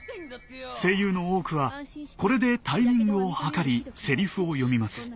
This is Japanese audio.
声優の多くはこれでタイミングを計りセリフを読みます。